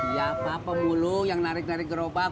ya pak pemulung yang narik narik gerobak